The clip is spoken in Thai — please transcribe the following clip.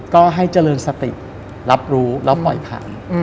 ก็ให้เจริญสติรับรู้แล้วปล่อยผ่าน